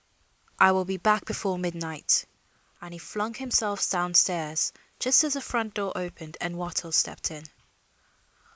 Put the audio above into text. "I will be back before midnight." And he flung himself down stairs just as the front door opened and Wattles stepped in.